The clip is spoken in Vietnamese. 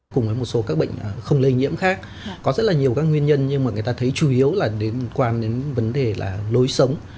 cùng với một số các bệnh không lây nhiễm khác có rất là nhiều các nguyên nhân nhưng mà người ta thấy chủ yếu là liên quan đến vấn đề là lối sống